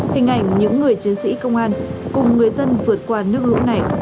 hình ảnh những người chiến sĩ công an cùng người dân vượt qua nước lũ này